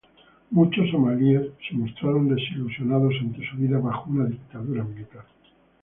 Muchos somalíes se mostraron desilusionados ante su vida bajo una dictadura militar.